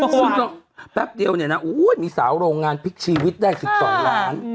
ซึ่งก็แป๊บเดียวเนี่ยนะมีสาวโรงงานพลิกชีวิตได้๑๒ล้าน